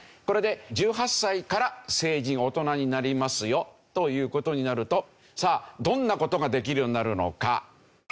これで１８歳から成人大人になりますよという事になるとさあどんな事ができるようになるのか？